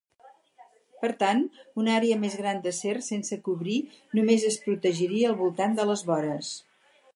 Per tant, una àrea més gran d'acer sense cobrir només es protegiria al voltant de les vores.